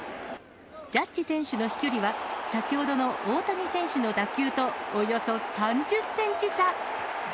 ジャッジ選手の飛距離は、先ほどの大谷選手の打球とおよそ３０センチ差。